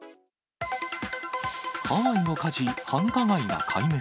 ハワイの火事、繁華街が壊滅。